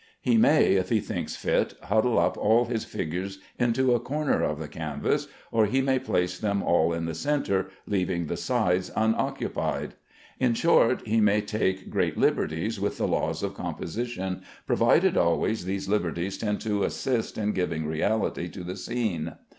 He may (if he thinks fit) huddle up all his figures into a corner of the canvas, or he may place them all in the centre, leaving the sides unoccupied. In short, he may take great liberties with the laws of composition, provided always these liberties tend to assist in giving reality to the scene.